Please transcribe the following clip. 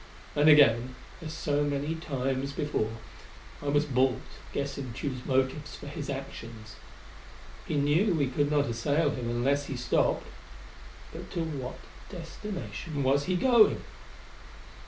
And again, as so many times before, I was balked at guessing Tugh's motives for his actions. He knew we could not assail him unless he stopped. But to what destination was he going?